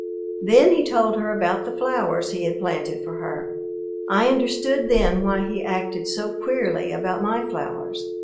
Then he told her about the flowers he had planted for her. I understood then why he acted so queerly about my flowers.